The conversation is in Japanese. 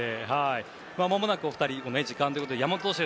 まもなくお二人お時間ということで山本投手